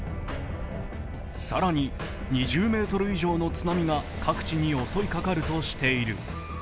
更に、２０ｍ以上の津波が各地に襲いかかるとしている。